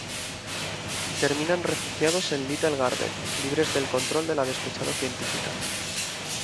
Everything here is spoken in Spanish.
Terminan refugiados en Little Garden, libres del control de la despechada científica.